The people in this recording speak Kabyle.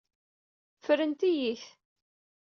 Ffrent-iyi-t.